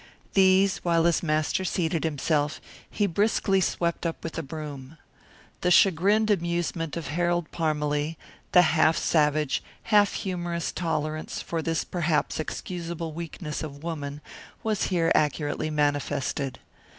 These, while his master seated himself, he briskly swept up with a broom. The chagrined amusement of Harold Parmalee, the half savage, half humorous tolerance for this perhaps excusable weakness of woman, was here accurately manifested.